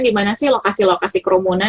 gimana sih lokasi lokasi kerumunan